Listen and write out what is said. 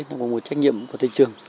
nó có một trách nhiệm của thầy trường